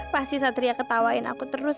pasti satria ketawain aku terus